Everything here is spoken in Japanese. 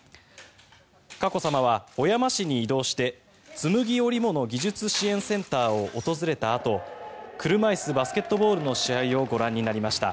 佳子さまは小山市に移動して紬織物技術支援センターを訪れたあと車いすバスケットボールの試合をご覧になりました。